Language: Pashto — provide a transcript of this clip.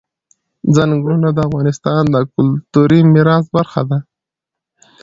ځنګلونه د افغانستان د کلتوري میراث برخه ده.